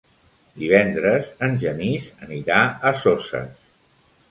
Divendres en Genís anirà a Soses.